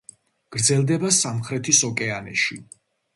გრძელდება სამხრეთის ოკეანეში.